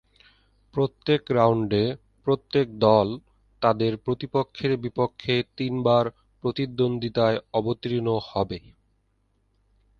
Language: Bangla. প্রত্যেক রাউন্ডে প্রত্যেক দল তাদের প্রতিপক্ষের বিপক্ষে তিনবার প্রতিদ্বন্দ্বিতায় অবতীর্ণ হবে।